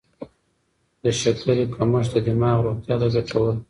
د شکرې کمښت د دماغ روغتیا ته ګټور دی.